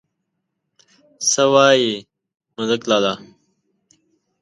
_څه وايي، ملک لالا؟